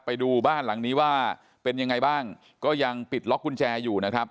ไปดูบ้านหลังนี้ว่าเป็นยังไงบ้างก็ยังปิดล็อกกุญแจอยู่นะครับ